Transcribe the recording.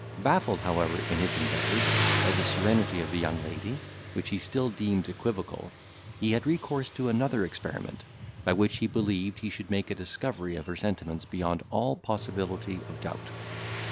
—Baffled however in his endeavours, by the serenity of the young lady, which he still deemed equivocal, he had recourse to another experiment, by which he believed he should make a discovery of her sentiments beyond all possibility of doubt.